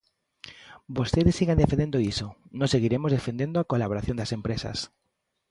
Vostedes sigan defendendo iso, nós seguiremos defendendo a colaboración das empresas.